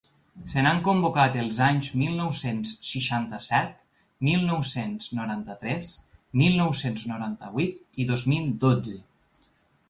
Se n’han convocat els anys mil nou-cents seixanta-set, mil nou-cents noranta-tres, mil nou-cents noranta-vuit i dos mil dotze.